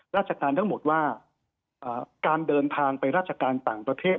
ราชการทั้งหมดว่าการเดินทางไปราชการต่างประเทศ